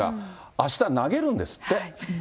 あした投げるんですって。